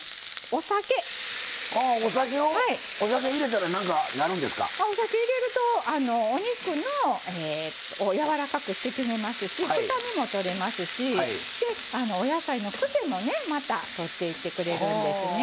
お酒入れるとお肉を柔らかくしてくれますし臭みも取れますしお野菜のクセもねまた取っていってくれるんですね。